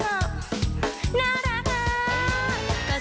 น่ารัก